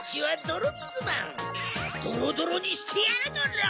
ドロドロにしてやるドロ。